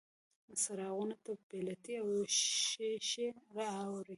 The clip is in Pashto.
څراغونو ته پیلتې او ښیښې راوړي